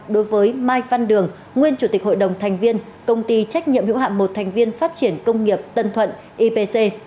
đối với mai văn đường nguyên chủ tịch hội đồng thành viên công ty trách nhiệm hữu hạm một thành viên phát triển công nghiệp tân thuận ipc